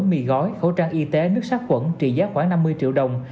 mì gói khẩu trang y tế nước sát quẩn trị giá khoảng năm mươi triệu đồng